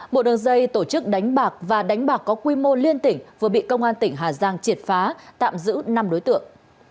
một đường dây tổ chức đánh bạc và đánh bạc có quy mô liên tỉnh vừa bị công an tỉnh hà giang triệt phá tạm giữ năm đối tượng